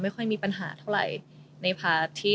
ค่อยมีปัญหาเท่าไหร่ในพาร์ทที่